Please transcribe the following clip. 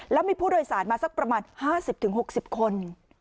แล้วมีผู้โดยสารมาสักประมาณห้าสิบถึงหกสิบคน